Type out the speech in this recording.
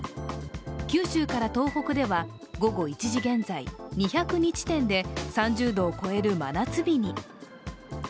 九州から東北では午後１時現在、２０２地点で３０度を超える真夏日に。